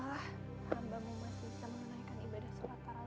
hambamu masih sama menaikan ibadah